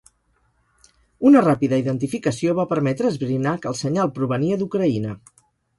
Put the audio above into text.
Una ràpida identificació va permetre esbrinar que el senyal provenia d'Ucraïna.